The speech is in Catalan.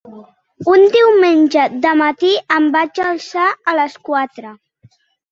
Un diumenge de matí, em vaig alçar a les quatre.